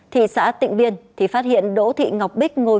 thị xã tịnh biên thì phát hiện đỗ thị ngọc bích ngồi